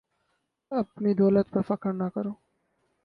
اپنی دولت پر فکر نہ کرو